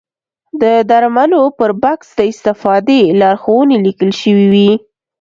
د درملو پر بکس د استفادې لارښوونې لیکل شوې وي.